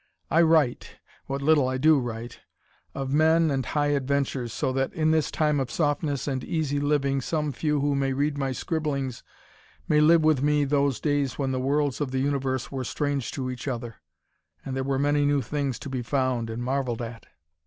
I write what little I do write of men and high adventures, so that in this time of softness and easy living some few who may read my scribblings may live with me those days when the worlds of the universe were strange to each other, and there were many new things to be found and marveled at."